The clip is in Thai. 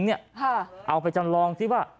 เอาไปจำลองซิว่า